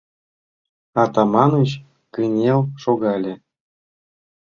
— Атаманыч кынел шогале.